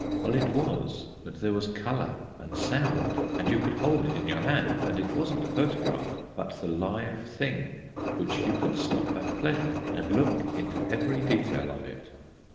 Well, it was; but there was colour and sound, and you could hold it in your hand, and it wasn't a photograph, but the live thing which you could stop at pleasure, and look into every detail of it.